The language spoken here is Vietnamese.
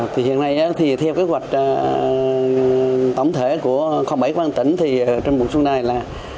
thì hiện nay thì theo kế hoạch tổng thể của bảy quang tỉnh thì trong vịnh xuân đài là